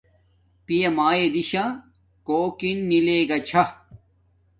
پیا مایے دیشا کوکن نلگا چھا